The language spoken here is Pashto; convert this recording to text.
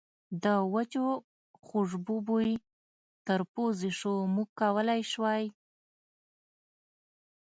د وچو خوشبو بوی تر پوزې شو، موږ کولای شوای.